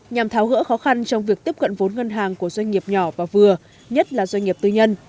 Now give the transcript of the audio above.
nhằm tháo gỡ khó khăn trong việc tiếp cận vốn ngân hàng của doanh nghiệp nhỏ và vừa nhất là doanh nghiệp tư nhân